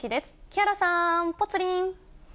木原さん、ぽつリン。